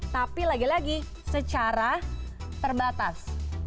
tapi lagi lagi secara terbatas